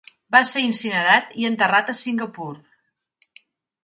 Va ser incinerat i enterrat a Singapur.